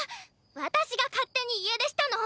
私が勝手に家出したの！